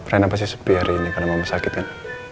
reina pasti sepi hari ini karena mama sakit kan